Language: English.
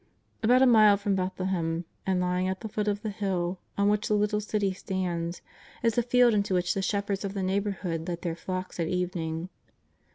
About a mile from Bethlehem and lying at the foot of the hill on which the little city stands is a field into which the shepherds of the neighbourhood led their flocks at evening.